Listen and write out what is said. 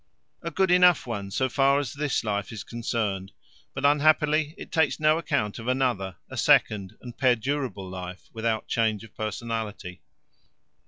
A good enough one so far as this life is concerned, but unhappily it takes no account of another, a second and perdurable life without change of personality.